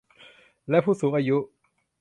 และผู้สูงอายุ